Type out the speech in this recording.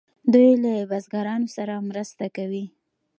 دوی له بزګرانو سره مرسته کوي.